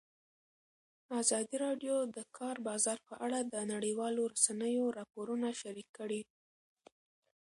ازادي راډیو د د کار بازار په اړه د نړیوالو رسنیو راپورونه شریک کړي.